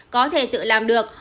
có thể tự làm được